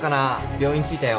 病院着いたよ。